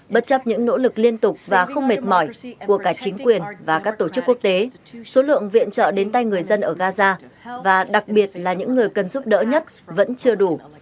bất chấp những nỗ lực liên tục và không mệt mỏi của cả chính quyền và các tổ chức quốc tế số lượng viện trợ đến tay người dân ở gaza và đặc biệt là những người cần giúp đỡ nhất vẫn chưa đủ